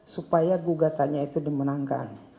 supaya gugatannya itu dimenangkan